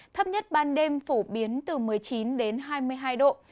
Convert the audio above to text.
thấp nhất ban đêm phổ biến từ một mươi chín đến hai mươi hai độ